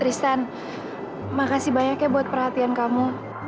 tristan makasih banyaknya buat perhatian kamu